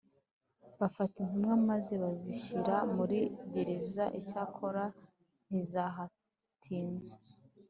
bafata intumwa maze bazishyira muri gereza Icyakora ntizahatinze